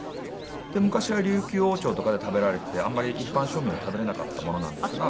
昔は琉球王朝とかで食べられていてあんまり一般庶民は食べれなかったものなんですが。